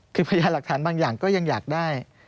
คือพยานหลักฐานบางอย่างก็ยังอยากได้